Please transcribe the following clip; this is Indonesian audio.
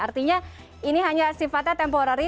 artinya ini hanya sifatnya temporary